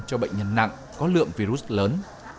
cho bệnh nhân nặng có lượng virus lớn